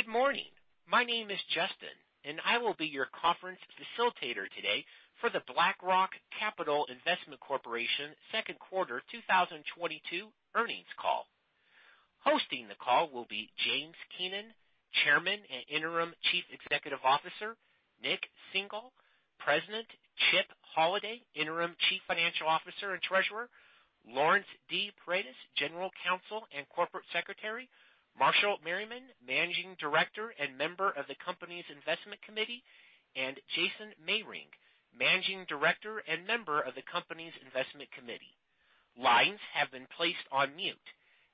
Good morning. My name is Justin, and I will be your conference facilitator today for the BlackRock Capital Investment Corporation Q2 2022 earnings call. Hosting the call will be James Keenan, Chairman and Interim Chief Executive Officer, Nik Singhal, President, Chip Holladay, Interim Chief Financial Officer and Treasurer, Laurence D. Paredes, General Counsel and Corporate Secretary, Marshall Merriman, Managing Director and member of the company's Investment Committee, and Jason Mehring, Managing Director and member of the company's Investment Committee. Lines have been placed on mute.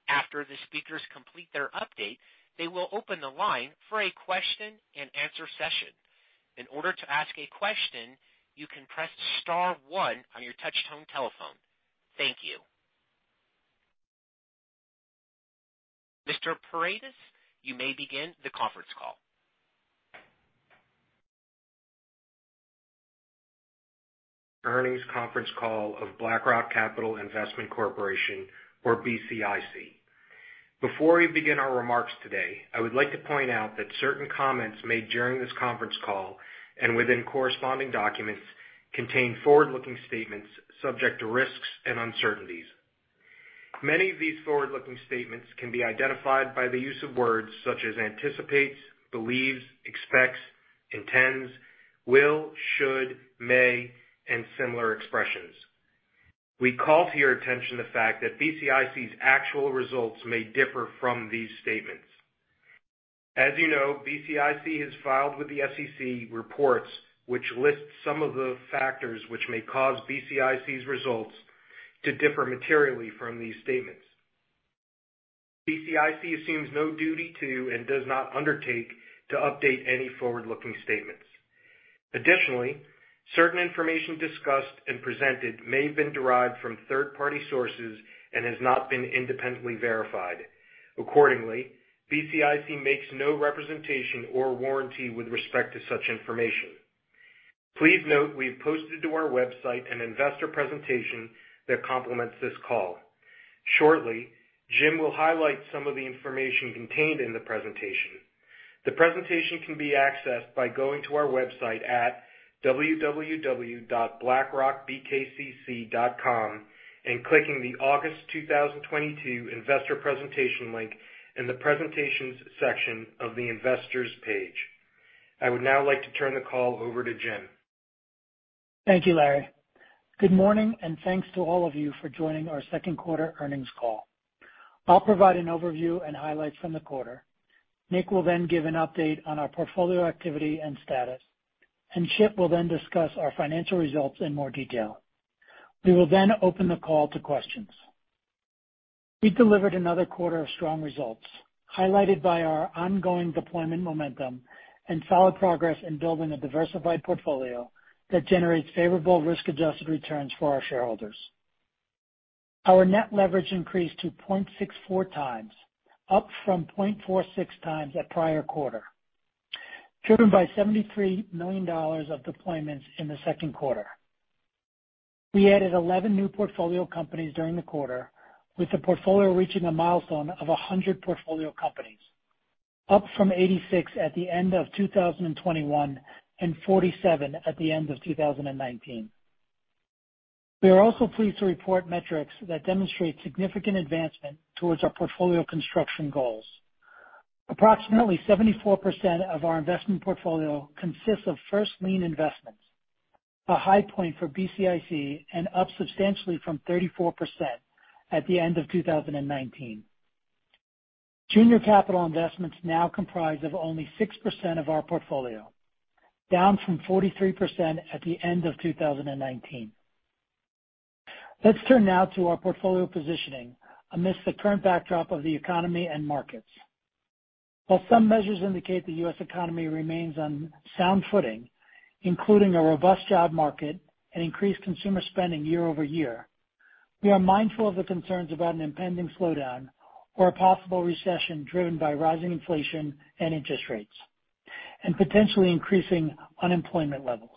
After the speakers complete their update, they will open the line for a question-and-answer session. In order to ask a question, you can press star one on your touchtone telephone. Thank you. Mr. Paredes, you may begin the conference call. Earnings conference call of BlackRock Capital Investment Corporation, or BCIC. Before we begin our remarks today, I would like to point out that certain comments made during this conference call and within corresponding documents contain forward-looking statements subject to risks and uncertainties. Many of these forward-looking statements can be identified by the use of words such as anticipates, believes, expects, intends, will, should, may, and similar expressions. We call to your attention the fact that BCIC's actual results may differ from these statements. As BCIC has filed with the SEC reports which list some of the factors which may cause BCIC's results to differ materially from these statements. BCIC assumes no duty to and does not undertake to update any forward-looking statements. Additionally, certain information discussed and presented may have been derived from third-party sources and has not been independently verified. Accordingly, BCIC makes no representation or warranty with respect to such information. Please note we've posted to our website an investor presentation that complements this call. Shortly, Jim will highlight some of the information contained in the presentation. The presentation can be accessed by going to our website at www.blackrockbkcc.com and clicking the August 2022 investor presentation link in the Presentations section of the Investors page. I would now like to turn the call over to James. Thank you, Laurence. Good morning, and thanks to all of you for joining our Q2 earnings call. I'll provide an overview and highlights from the quarter. Nick will then give an update on our portfolio activity and status, and Chip will then discuss our financial results in more detail. We will then open the call to questions. We delivered another quarter of strong results, highlighted by our ongoing deployment momentum and solid progress in building a diversified portfolio that generates favorable risk-adjusted returns for our shareholders. Our net leverage increased to 0.64x, up from 0.46x at prior quarter, driven by $73 million of deployments in the Q2. We added 11 new portfolio companies during the quarter, with the portfolio reaching a milestone of 100 portfolio companies, up from 86 at the end of 2021 and 47 at the end of 2019. We are also pleased to report metrics that demonstrate significant advancement towards our portfolio construction goals. Approximately 74% of our investment portfolio consists of first lien investments, a high point for BCIC and up substantially from 34% at the end of 2019. Junior capital investments now comprise of only 6% of our portfolio, down from 43% at the end of 2019. Let's turn now to our portfolio positioning amidst the current backdrop of the economy and markets. While some measures indicate the U.S. economy remains on sound footing, including a robust job market and increased consumer spending year-over-year, we are mindful of the concerns about an impending slowdown or a possible recession driven by rising inflation and interest rates, and potentially increasing unemployment levels.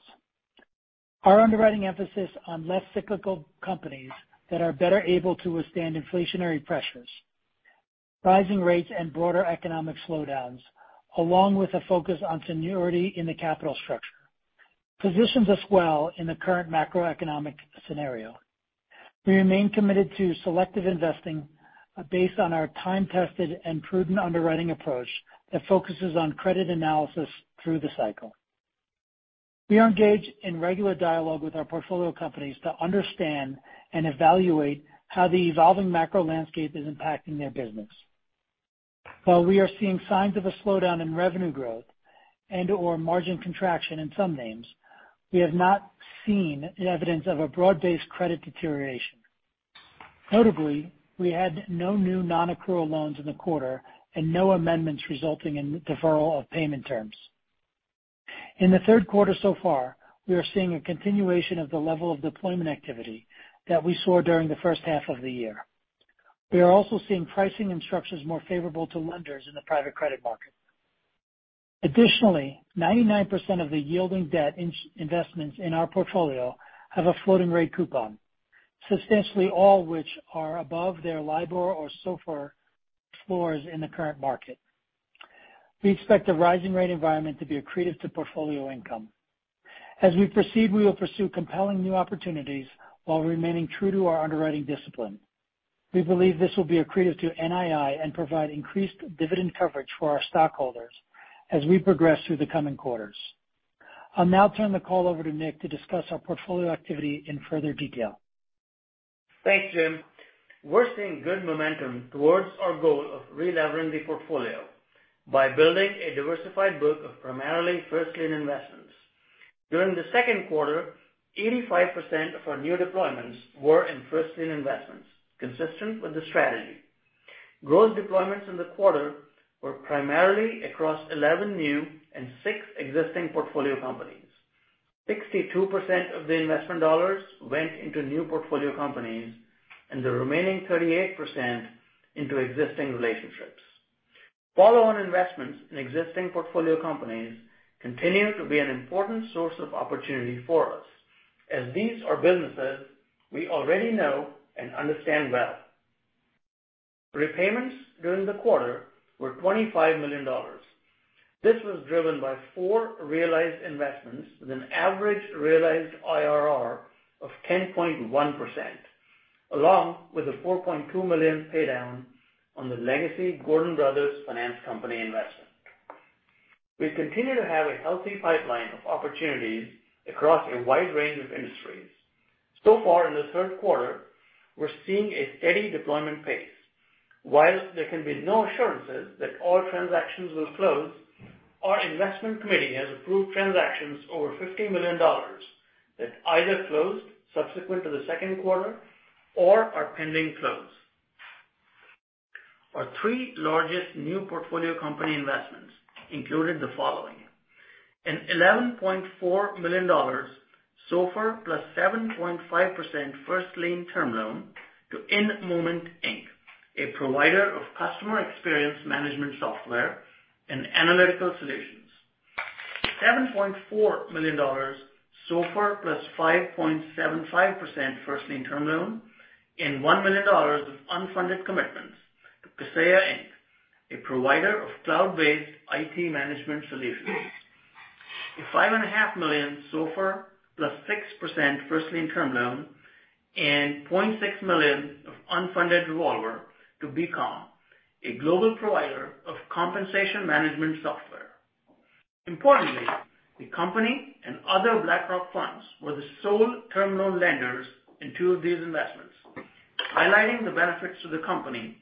Our underwriting emphasis on less cyclical companies that are better able to withstand inflationary pressures, rising rates, and broader economic slowdowns, along with a focus on seniority in the capital structure, positions us well in the current macroeconomic scenario. We remain committed to selective investing based on our time-tested and prudent underwriting approach that focuses on credit analysis through the cycle. We are engaged in regular dialogue with our portfolio companies to understand and evaluate how the evolving macro landscape is impacting their business. While we are seeing signs of a slowdown in revenue growth and/or margin contraction in some names, we have not seen evidence of a broad-based credit deterioration. Notably, we had no new non-accrual loans in the quarter and no amendments resulting in deferral of payment terms. In the Q3 so far, we are seeing a continuation of the level of deployment activity that we saw during the first half of the year. We are also seeing pricing and structures more favorable to lenders in the private credit markets. Additionally, 99% of the yielding debt investments in our portfolio have a floating rate coupon, substantially all which are above their LIBOR or SOFR floors in the current market. We expect the rising rate environment to be accretive to portfolio income. As we proceed, we will pursue compelling new opportunities while remaining true to our underwriting discipline. We believe this will be accretive to NII and provide increased dividend coverage for our stockholders as we progress through the coming quarters. I'll now turn the call over to Nik to discuss our portfolio activity in further detail. Thanks, James. We're seeing good momentum towards our goal of relevering the portfolio by building a diversified book of primarily first lien investments. During the Q2, 85% of our new deployments were in first lien investments, consistent with the strategy. Growth deployments in the quarter were primarily across 11 new and 6 existing portfolio companies. 62% of the investment dollars went into new portfolio companies and the remaining 38% into existing relationships. Follow-on investments in existing portfolio companies continue to be an important source of opportunity for us as these are businesses we already know and understand well. Repayments during the quarter were $25 million. This was driven by 4 realized investments with an average realized IRR of 10.1%, along with a $4.2 million pay down on the legacy Gordon Brothers Finance Company investment. We continue to have a healthy pipeline of opportunities across a wide range of industries. So far in the Q3, we're seeing a steady deployment pace. While there can be no assurances that all transactions will close, our investment committee has approved transactions over $50 million that either closed subsequent to the Q2 or are pending close. Our three largest new portfolio company investments included the following. An $11.4 million SOFR plus 7.5% first lien term loan to InMoment Inc, a provider of customer experience management software and analytical solutions. $7.4 million SOFR plus 5.75% first lien term loan and $1 million of unfunded commitments to Kaseya Inc, a provider of cloud-based IT management solutions. $5.5 million SOFR + 6% first lien term loan and $0.6 million of unfunded revolver to beqom, a global provider of compensation management software. Importantly, the company and other BlackRock funds were the sole term loan lenders in two of these investments, highlighting the benefits to the company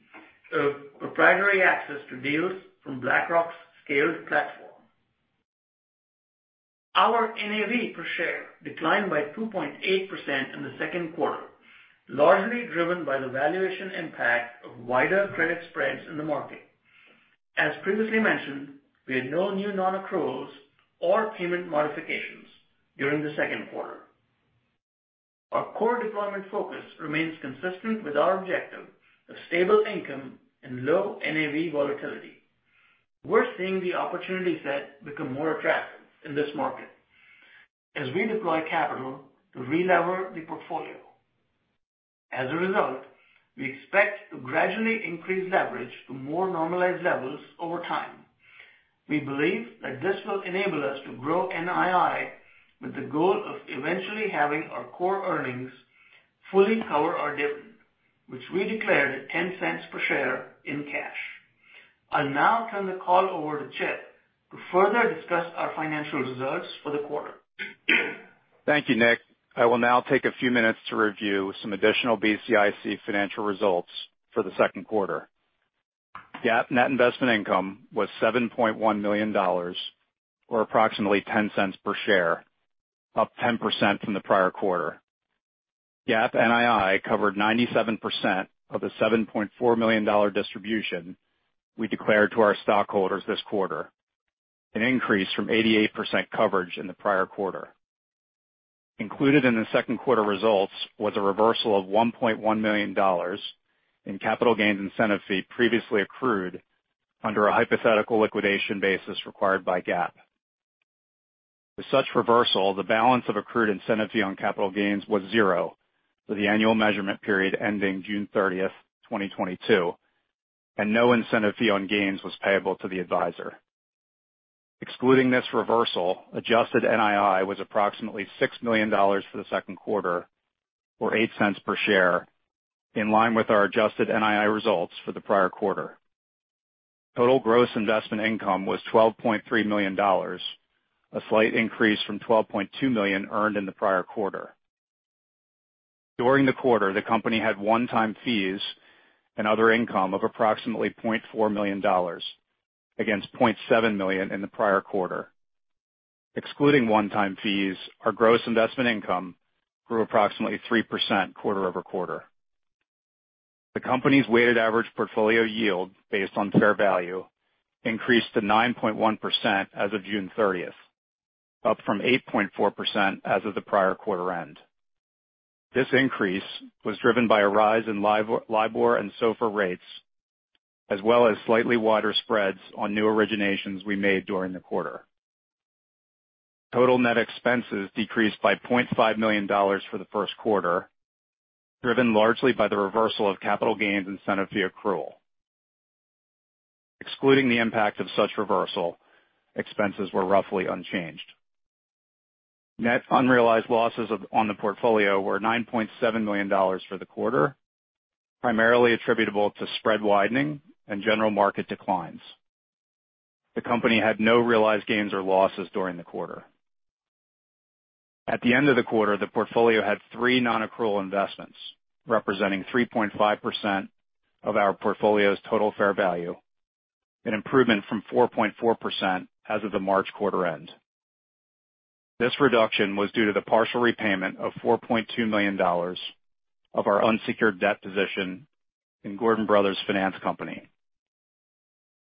of proprietary access to deals from BlackRock's scaled platform. Our NAV per share declined by 2.8% in the Q2, largely driven by the valuation impact of wider credit spreads in the market. As previously mentioned, we had no new non-accruals or payment modifications during the Q2. Our core deployment focus remains consistent with our objective of stable income and low NAV volatility. We're seeing the opportunity set become more attractive in this market as we deploy capital to relever the portfolio. As a result, we expect to gradually increase leverage to more normalized levels over time. We believe that this will enable us to grow NII with the goal of eventually having our core earnings fully cover our dividend, which we declared at $0.10 per share in cash. I'll now turn the call over to Chip to further discuss our financial results for the quarter. Thank you, Nik. I will now take a few minutes to review some additional BCIC financial results for the Q2. GAAP net investment income was $7.1 million or approximately $0.10 per share, up 10% from the prior quarter. GAAP NII covered 97% of the $7.4 million distribution we declared to our stockholders this quarter, an increase from 88% coverage in the prior quarter. Included in the Q2 results was a reversal of $1.1 million in capital gains incentive fee previously accrued under a hypothetical liquidation basis required by GAAP. With such reversal, the balance of accrued incentive fee on capital gains was zero for the annual measurement period ending June 30, 2022, and no incentive fee on gains was payable to the advisor. Excluding this reversal, adjusted NII was approximately $6 million for the Q2 or $0.08 per share, in line with our adjusted NII results for the prior quarter. Total gross investment income was $12.3 million, a slight increase from $12.2 million earned in the prior quarter. During the quarter, the company had one-time fees and other income of approximately $0.4 million against $0.7 million in the prior quarter. Excluding one-time fees, our gross investment income grew approximately 3% quarter-over-quarter. The company's weighted average portfolio yield based on fair value increased to 9.1% as of June 30th, up from 8.4% as of the prior quarter end. This increase was driven by a rise in LIBOR and SOFR rates, as well as slightly wider spreads on new originations we made during the quarter. Total net expenses decreased by $0.5 million for the Q1, driven largely by the reversal of capital gains incentive fee accrual. Excluding the impact of such reversal, expenses were roughly unchanged. Net unrealized losses on the portfolio were $9.7 million for the quarter, primarily attributable to spread widening and general market declines. The company had no realized gains or losses during the quarter. At the end of the quarter, the portfolio had three non-accrual investments, representing 3.5% of our portfolio's total fair value, an improvement from 4.4% as of the March quarter end. This reduction was due to the partial repayment of $4.2 million of our unsecured debt position in Gordon Brothers Finance Company.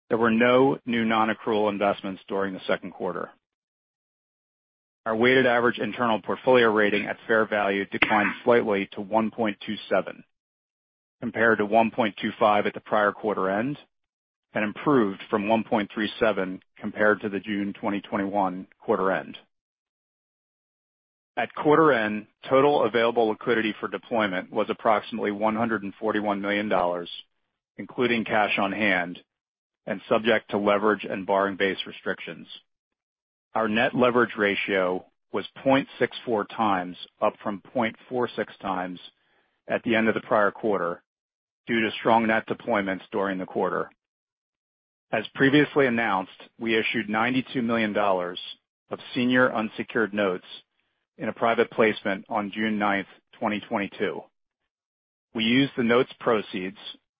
There were no new non-accrual investments during the Q2. Our weighted average internal portfolio rating at fair value declined slightly to 1.27, compared to 1.25 at the prior quarter end and improved from 1.37 compared to the June 2021 quarter end. At quarter end, total available liquidity for deployment was approximately $141 million, including cash on hand and subject to leverage and borrowing base restrictions. Our net leverage ratio was 0.64 times, up from 0.46 times at the end of the prior quarter due to strong net deployments during the quarter. As previously announced, we issued $92 million of senior unsecured notes in a private placement on June 9, 2022. We used the notes proceeds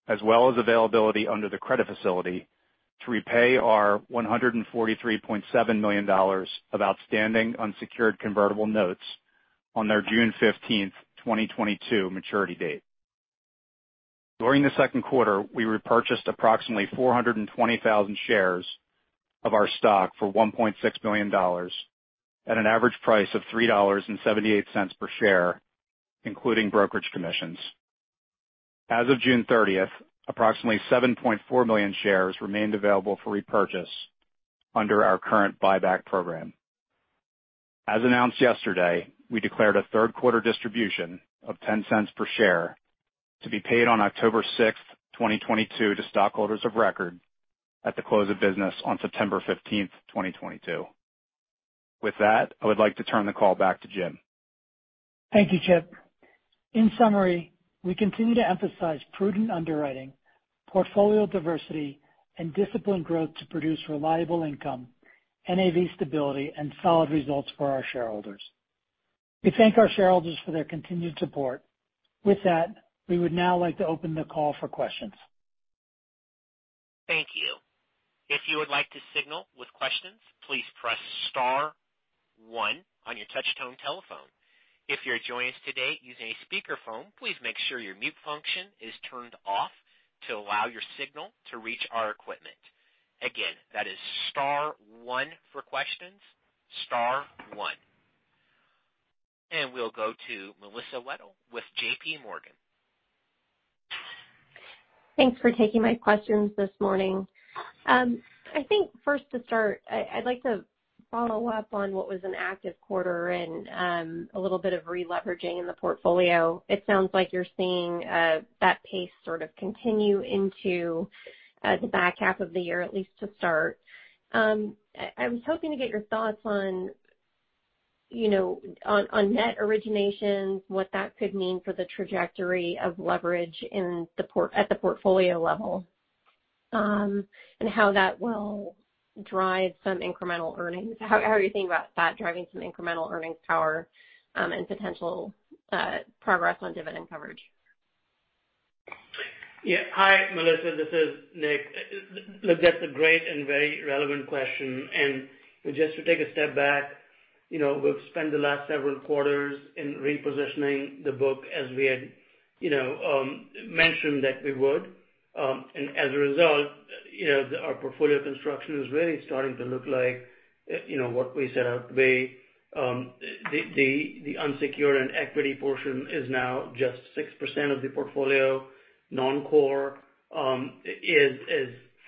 as well as availability under the credit facility to repay our $143.7 million of outstanding unsecured convertible notes on their June fifteenth, 2022 maturity date. During the Q2, we repurchased approximately 420,000 shares of our stock for $1.6 million at an average price of $3.78 per share, including brokerage commissions. As of June thirtieth, approximately 7.4 million shares remained available for repurchase under our current buyback program. As announced yesterday, we declared a Q3 distribution of $0.10 per share to be paid on October sixth, 2022 to stockholders of record at the close of business on September fifteenth, 2022. With that, I would like to turn the call back to James. Thank you, Chip. In summary, we continue to emphasize prudent underwriting, portfolio diversity, and disciplined growth to produce reliable income, NAV stability, and solid results for our shareholders. We thank our shareholders for their continued support. With that, we would now like to open the call for questions. Thank you. If you would like to signal with questions, please press star one on your touchtone telephone. If you're joining us today using a speakerphone, please make sure your mute function is turned off to allow your signal to reach our equipment. Again, that is star one for questions, star one. We'll go to Melissa Weddle with JPMorgan. Thanks for taking my questions this morning. I think first to start, I'd like to follow up on what was an active quarter and a little bit of releveraging in the portfolio. It sounds like you're seeing that pace sort of continue into the back half of the year, at least to start. I was hoping to get your thoughts on on net originations, what that could mean for the trajectory of leverage in the portfolio at the portfolio level, and how that will drive some incremental earnings. How are you thinking about that driving some incremental earnings power, and potential progress on dividend coverage? Yeah. Hi, Melissa. This is Nik. Look, that's a great and very relevant question. Just to take a step back we've spent the last several quarters in repositioning the book as we had mentioned that we would. As a result our portfolio construction is really starting to look like what we set out to be. The unsecured and equity portion is now just 6% of the portfolio. Non-core is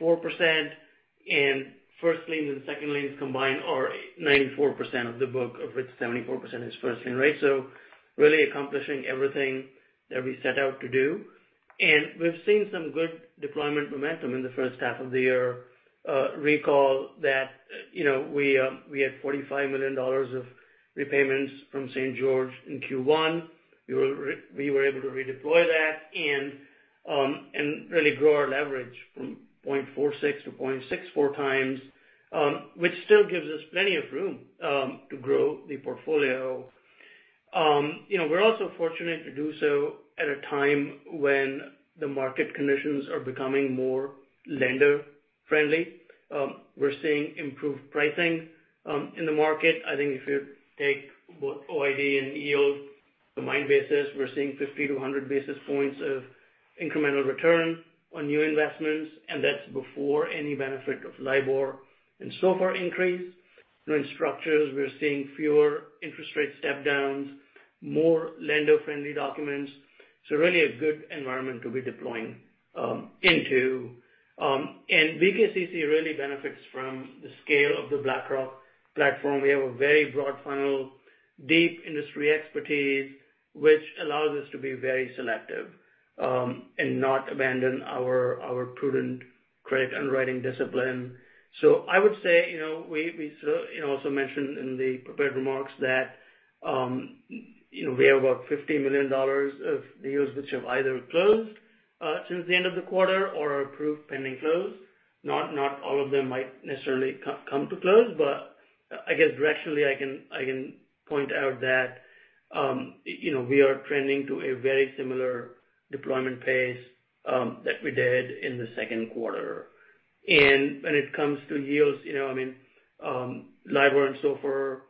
4%. First liens and second liens combined are 94% of the book, of which 74% is first lien, right? Really accomplishing everything that we set out to do. We've seen some good deployment momentum in the first half of the year. Recall that we had $45 million of repayments from St. George. In Q1, we were able to redeploy that and really grow our leverage from 0.46 to 0.64 times, which still gives us plenty of room to grow the portfolio. We're also fortunate to do so at a time when the market conditions are becoming more lender-friendly. We're seeing improved pricing in the market. I think if you take both OID and yield to maturity basis, we're seeing 50-100 basis points of incremental return on new investments, and that's before any benefit of LIBOR and SOFR. Increased loan structures. We're seeing fewer interest rate step-downs, more lender-friendly documents. Really a good environment to be deploying into. BKCC really benefits from the scale of the BlackRock platform. We have a very broad funnel, deep industry expertise, which allows us to be very selective, and not abandon our prudent credit underwriting discipline. I would say also mentioned in the prepared remarks that we have about $50 million of deals which have either closed, since the end of the quarter or are approved pending close. Not all of them might necessarily come to close. I guess directionally, I can point out that we are trending to a very similar deployment pace, that we did in the Q2. When it comes to yields I mean, LIBOR and sofr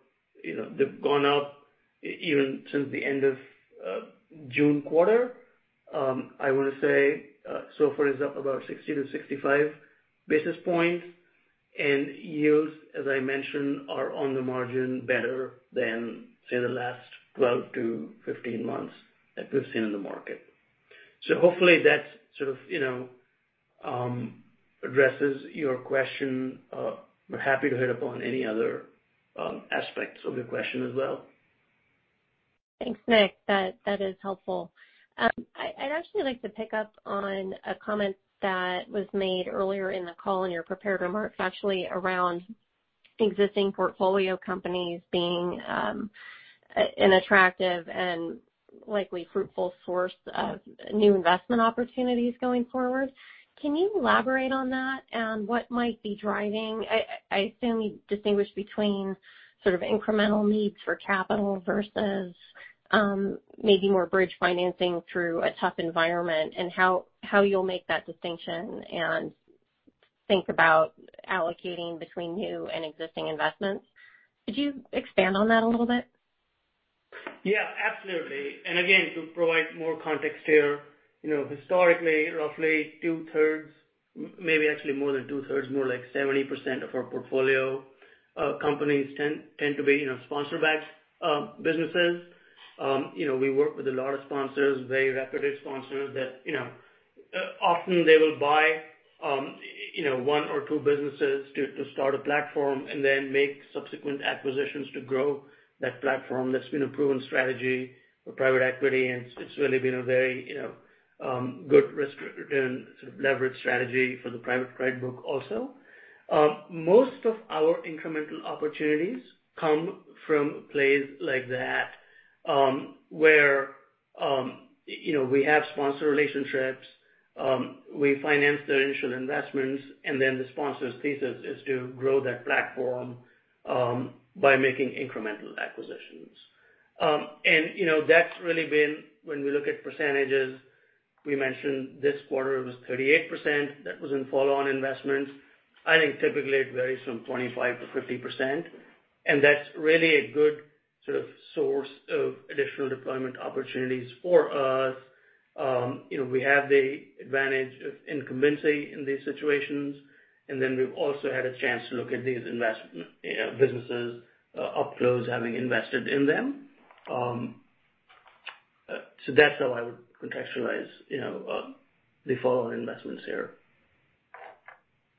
they've gone up even since the end of June quarter. I want to say, SOFR is up about 60-65 basis points. Yields, as I mentioned, are on the margin better than, say, the last 12-15 months that we've seen in the market. Hopefully that sort of addresses your question. We're happy to hit upon any other aspects of your question as well. Thanks, Nik. That is helpful. I'd actually like to pick up on a comment that was made earlier in the call in your prepared remarks, actually, around existing portfolio companies being an attractive and likely fruitful source of new investment opportunities going forward. Can you elaborate on that and what might be driving? I assume you distinguish between sort of incremental needs for capital versus maybe more bridge financing through a tough environment, and how you'll make that distinction and think about allocating between new and existing investments. Could you expand on that a little bit? Yeah, absolutely. Again, to provide more context here historically, roughly two-thirds, maybe actually more than two-thirds, more like 70% of our portfolio, companies tend to be sponsor-backed businesses. We work with a lot of sponsors, very reputable sponsors that often they will buy one or two businesses to start a platform and then make subsequent acquisitions to grow that platform. That's been a proven strategy for private equity, and it's really been a very good risk return sort of leverage strategy for the private credit book also. Most of our incremental opportunities come from places like that, where we have sponsor relationships. We finance their initial investments, and then the sponsor's thesis is to grow that platform by making incremental acquisitions. That's really been when we look at percentages. We mentioned this quarter it was 38%. That was in follow-on investments. I think typically it varies from 25%-50%. That's really a good sort of source of additional deployment opportunities for us. We have the advantage of incumbency in these situations, and then we've also had a chance to look at these businesses up close, having invested in them. That's how I would contextualize the follow-on investments here.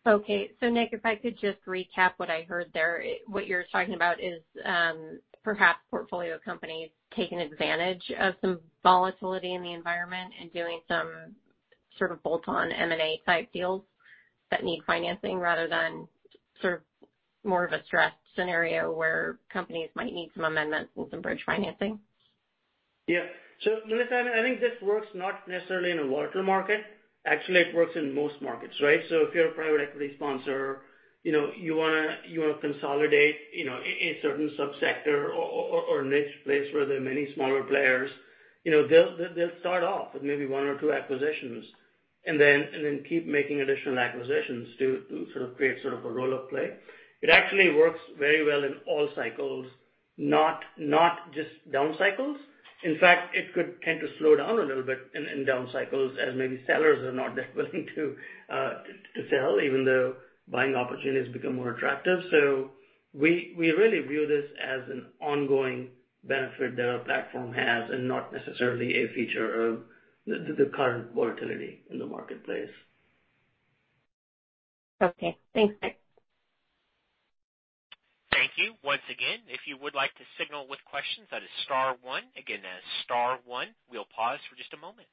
Okay. Nik, if I could just recap what I heard there. What you're talking about is, perhaps portfolio companies taking advantage of some volatility in the environment and doing some sort of bolt-on M&A type deals that need financing rather than sort of more of a stressed scenario where companies might need some amendments with some bridge financing. Yeah. Melissa, I think this works not necessarily in a volatile market. Actually, it works in most markets, right? If you're a private equity sponsor you want to consolidate a certain subsector or niche place where there are many smaller players. They'll start off with maybe one or two acquisitions, and then keep making additional acquisitions to sort of create sort of a roll-up play. It actually works very well in all cycles, not just down cycles. In fact, it could tend to slow down a little bit in down cycles as maybe sellers are not that willing to sell, even though buying opportunities become more attractive. We really view this as an ongoing benefit that our platform has and not necessarily a feature of the current volatility in the marketplace. Okay. Thanks, Nick. Thank you. Once again, if you would like to signal with questions, that is star one. Again, that is star one. We'll pause for just a moment.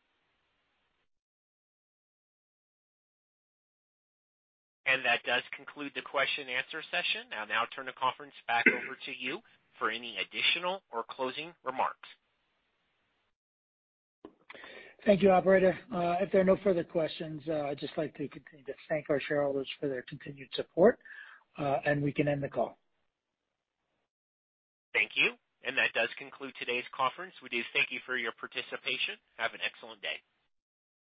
That does conclude the question and answer session. I'll now turn the conference back over to you for any additional or closing remarks. Thank you, operator. If there are no further questions, I'd just like to continue to thank our shareholders for their continued support, and we can end the call. Thank you. That does conclude today's conference. We do thank you for your participation. Have an excellent day.